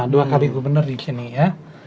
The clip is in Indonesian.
dua kali gubernur disini ya